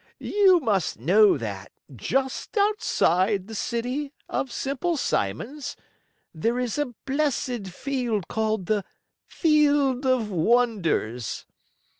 "You must know that, just outside the City of Simple Simons, there is a blessed field called the Field of Wonders.